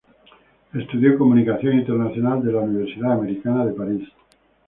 Estudió Comunicación Internacional de la Universidad Americana de París.